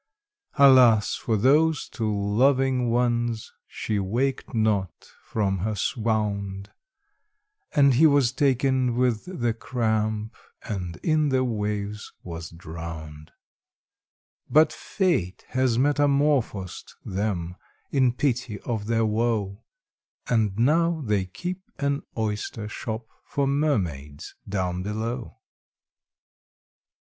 Alas for those two loving ones! she waked not from her swound, And he was taken with the cramp, and in the waves was drowned; But Fate has metamorphosed them, in pity of their woe, And now they keep an oyster shop for mermaids down below.